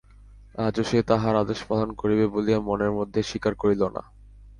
আজও সে তাঁহার আদেশ পালন করিবে বলিয়া মনের মধ্যে স্বীকার করিল না।